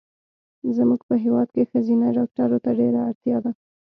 زمونږ په هېواد کې ښځېنه ډاکټرو ته ډېره اړتیا ده